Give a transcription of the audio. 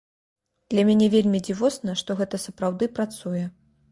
Для мяне вельмі дзівосна, што гэта сапраўды працуе.